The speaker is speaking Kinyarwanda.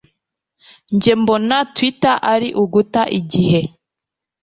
Njye mbona, Twitter ari uguta igihe.